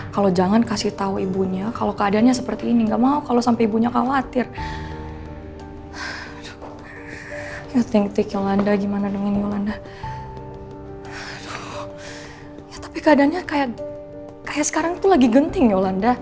kalo kamu gak kasih tau ibunya nanti yang ada salahnya dikau